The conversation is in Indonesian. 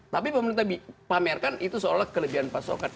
tapi pemerintah pamerkan itu seolah kelebihan pasokan